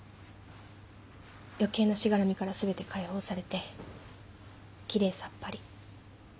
余計なしがらみから全て解放されて奇麗さっぱり。